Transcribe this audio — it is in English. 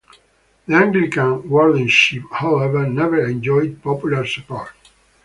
The Anglican wardenship, however, never enjoyed popular support.